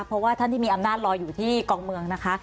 เพราะว่าท่านที่มีอำนาจรออยู่ที่กองเมืองนะคะ